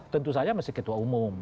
tentu saja masih ketua umum